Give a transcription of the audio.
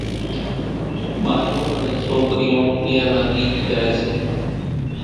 ٻايوُن انين سوڪرِيوُن اينيان نان ڳيت ڳائيَ سي۔